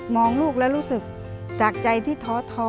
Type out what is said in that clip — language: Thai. มองลูกแล้วรู้สึกจากใจที่ท้อ